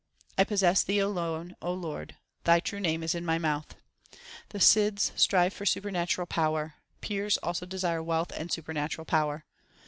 I possess Thee alone, O Lord ; Thy true name is in my mouth. The Sidhs strive for supernatural power ; Pirs also desire wealth and supernatural power.